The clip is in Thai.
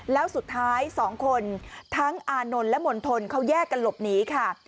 แล้วสุดท้ายสองคนทั้งอานนท์และมณฑลเขาแยกกันหลบหนีค่ะ